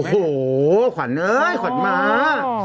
โอ้โหขวัญเอ้ยขวัญม้า